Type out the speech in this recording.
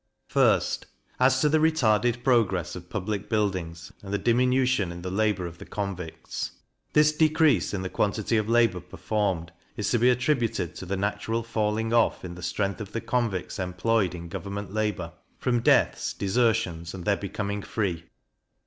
1st, As to the retarded progress of public buildings, and the diminution in the labour of the convicts. This decrease in the quantity of labour performed, is to be attributed to the natural falling off in the strength of the convicts employed in government labour, from deaths, desertions, and their becoming free.